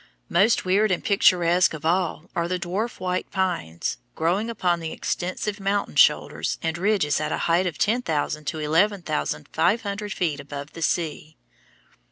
Most weird and picturesque of all are the dwarf white pines, growing upon the extensive mountain shoulders and ridges at a height of ten thousand to eleven thousand five hundred feet above the sea.